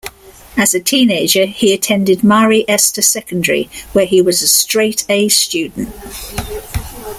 As a teenager, he attended Marie-Esther Secondary, where he was a straight-A student.